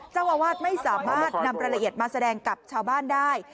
เจ้าอาวาสไม่สามารถนำรายละเอียดมาแสดงกับชาวบ้านได้